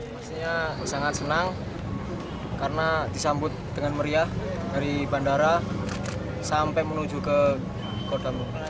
pastinya sangat senang karena disambut dengan meriah dari bandara sampai menuju ke kota bogor